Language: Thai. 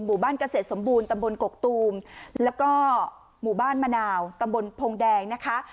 บ้านเกษตรสมบูรณ์ตำบลกกตูมแล้วก็หมู่บ้านมะนาวตำบลพงแดงนะคะ